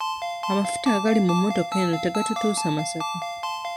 Amafuta agali mu mmotoka eno tegatutuusa Masaka.